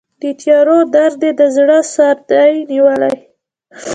د تیارو درد یې د زړه سردې نیولی